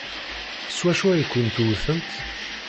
S wacu ay kent-wtent?